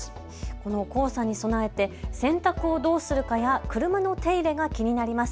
この黄砂に備えて洗濯をどうするかや車の手入れが気になります。